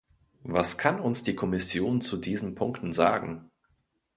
Was kann uns die Kommission zu diesen Punkten sagen?